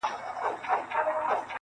• له مبارک سره یوازي مجلسونه ښيي -